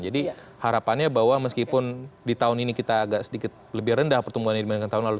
jadi harapannya bahwa meskipun di tahun ini kita agak sedikit lebih rendah pertumbuhan ini dibandingkan tahun lalu